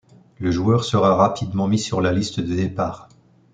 Le joueur sera rapidement mis sur la liste de départ.